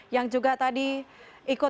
yang juga berkumpul dengan rai putra